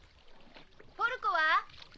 ポルコは？